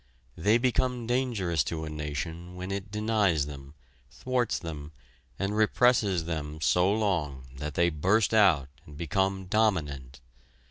They become dangerous to a nation when it denies them, thwarts them and represses them so long that they burst out and become dominant.